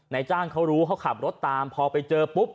จ้างเขารู้เขาขับรถตามพอไปเจอปุ๊บ